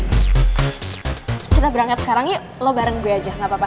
terus kita berangkat sekarang yuk lo bareng gue aja gak apa apa